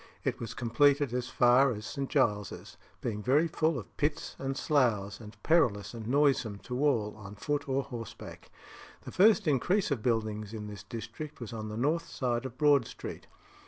it was completed as far as St. Giles's, being very full of pits and sloughs, and perilous and noisome to all on foot or horseback. The first increase of buildings in this district was on the north side of Broad Street.